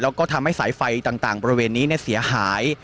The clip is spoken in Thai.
แล้วก็ทำให้สายไฟต่างบริเวณนี้เสียหาย